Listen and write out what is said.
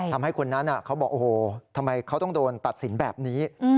ทำให้คนนั้นเขาบอกโอ้โหทำไมเขาต้องโดนตัดสินแบบนี้